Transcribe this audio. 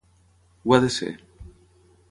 Ho ha de ser.